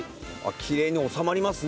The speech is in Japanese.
きれいに収まりますね。